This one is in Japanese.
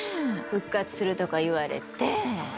復活するとか言われて！